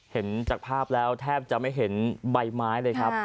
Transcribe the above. เห็นจากภาพแล้วแทบจะไม่เห็นใบไม้เลยครับ